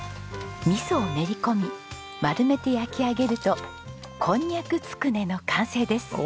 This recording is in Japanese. みそを練り込み丸めて焼き上げるとこんにゃくつくねの完成です。